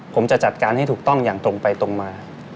ผมจะจัดการให้ถูกต้องอย่างตรงไปตรงมา